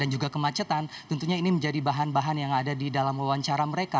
juga kemacetan tentunya ini menjadi bahan bahan yang ada di dalam wawancara mereka